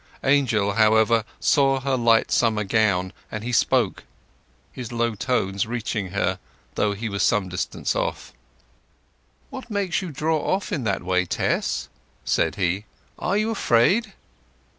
Angel, however, saw her light summer gown, and he spoke; his low tones reaching her, though he was some distance off. "What makes you draw off in that way, Tess?" said he. "Are you afraid?"